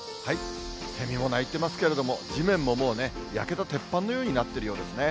セミも鳴いてますけれども、地面ももうね、焼けた鉄板のようになってますね。